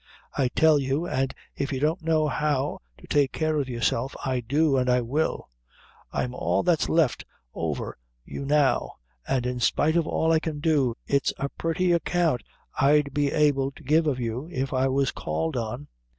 "I tell you, and if you don't know how to take care of yourself, I do, and I will. I'm all that's left over you now; an' in spite of all I can do, it's a purty account I'd be able to give of you, if I was called on."